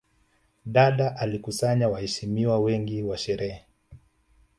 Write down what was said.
Dada alikusanya waheshimiwa wengi wa sherehe